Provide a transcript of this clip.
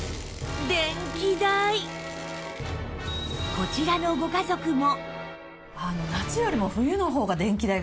こちらのご家族も